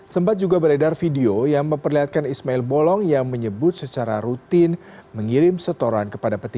sempat juga beredar video yang memperlihatkan ismail bolong yang menyebut secara rutin mengirim setoran kepada peti